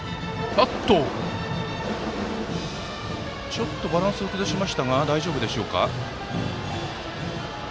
ちょっとバランスを崩しましたが大丈夫でしょうか。